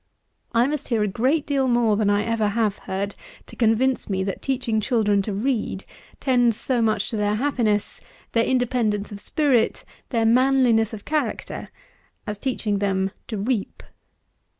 I must hear a great deal more than I ever have heard, to convince me, that teaching children to read tends so much to their happiness, their independence of spirit, their manliness of character, as teaching them to reap.